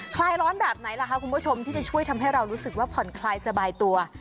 คลายร้อนแบบไหนล่ะคะคุณผู้ชมที่จะช่วยทำให้เรารู้สึกว่าผ่อนคลายสบายตัว